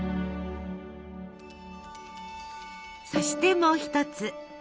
そしてもう一つ。